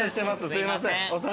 すいません。